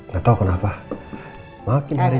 gak tau kenapa makin hari